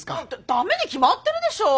ダメに決まってるでしょう。